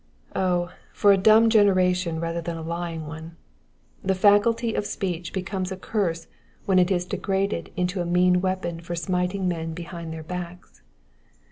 Oh for a dumb generation rather than a lying one 1 The faculty of speech becomes a curse when it is degraded into a mean weapon for smiting men behind their backs.